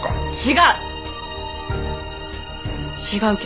違う！